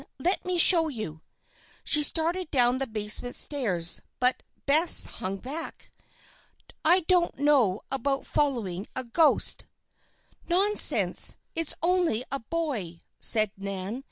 Let me show you." She started down the basement stairs, but Bess hung back. "I don't know about following a ghost." "Nonsense! It's only a boy," said Nan.